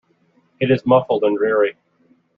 It is muffled and dreary.